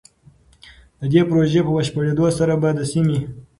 د دې پروژې په بشپړېدو سره به د سيمې